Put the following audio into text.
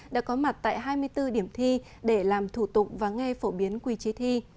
đã có mặt tại hai mươi bốn điểm thi để làm thủ tục và nghe phổ biến quy chế thi